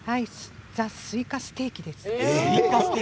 ザ・スイカステーキです。